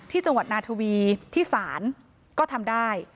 จังหวัดนาทวีที่ศาลก็ทำได้